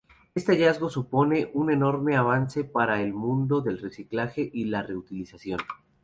Este hallazgo supone un enorme avance para el mundo del reciclaje y la reutilización.